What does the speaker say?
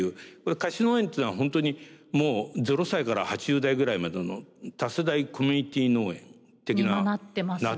貸し農園っていうのは本当にもう０歳から８０代ぐらいまでの多世代コミュニティ農園的な。に今なってますね。